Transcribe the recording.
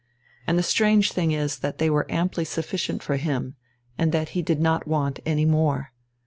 And the strange thing is that they were amply sufficient for him, and that he did not want any more.